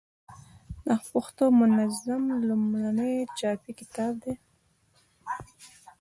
د پښتو منظم لومړنی چاپي کتاب دﺉ.